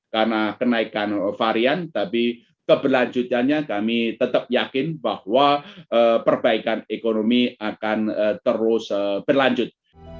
karena kenaikan varian tapi keberlanjutannya kami tetap yakin bahwa perbaikan ekonomi akan terus berlanjut